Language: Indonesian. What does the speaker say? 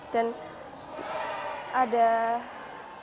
dan ada kata kata mendengar saya lupa melihat saya ingat melakukan saya paham